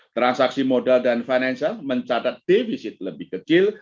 transaksi modal dan financial mencatat defisit lebih kecil